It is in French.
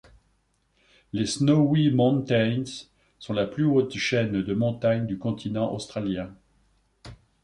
Les Snowy Mountains sont la plus haute chaîne de montagnes du continent australien.